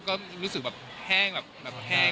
ก็รู้สึกแบบแห้งแบบแห้ง